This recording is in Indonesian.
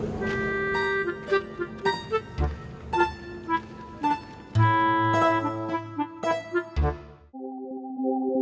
terima kasih alexand neat nama dibantu momen x